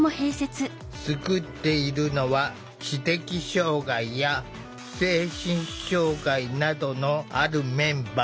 作っているのは知的障害や精神障害などのあるメンバー２０人。